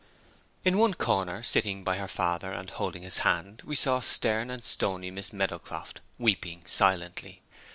In one corner, sitting by her father, and holding his hand, we saw stern and stony Miss Meadowcroft weeping silently.